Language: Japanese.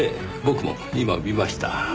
僕も今見ました。